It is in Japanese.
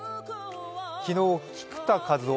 昨日、菊田一夫